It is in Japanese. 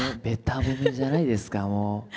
べた褒めじゃないですかもう。